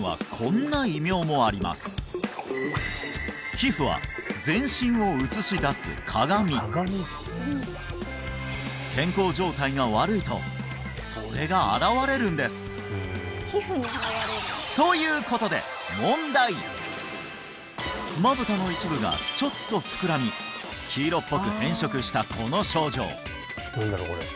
皮膚は健康状態が悪いとそれが現れるんですということでまぶたの一部がちょっと膨らみ黄色っぽく変色したこの症状